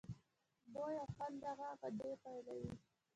بوۍ او خوند دغه غدې فعالوي.